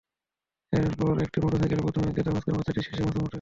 এরপর একটি মোটরসাইকেলে প্রথমে গেদা, মাঝখানে বাচ্চাটি এবং শেষে মাসুম ওঠে।